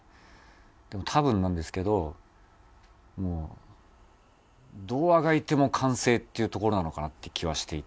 でも多分なんですけどもうどう足掻いても完成っていうところなのかなって気はしていて。